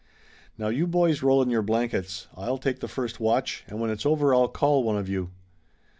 Now you boys roll in your blankets. I'll take the first watch, and when it's over I'll call one of you."